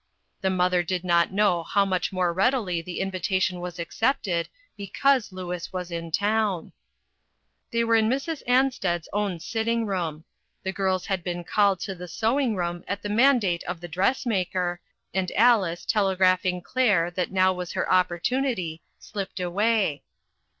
The mother did not know how much more readily the invitation was accepted because Louis was in town. They were in Mrs. Ansted's own sitting room. The young girls had been called to the sewing room at the mandate of the dress maker, and Alice, telegraphing Claire that now was her opportunity, slipped away.